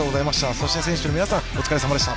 そして選手の皆さんお疲れ様でした。